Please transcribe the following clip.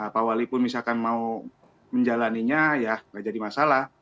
pak wali pun misalkan mau menjalannya ya nggak jadi masalah